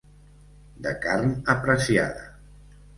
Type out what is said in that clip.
De carn apreciada.